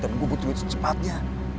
tapi gua butuh duit secepatnya